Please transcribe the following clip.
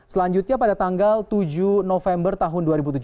selanjutnya pada tanggal tujuh november tahun dua ribu tujuh belas